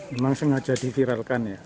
memang sengaja diviralkan ya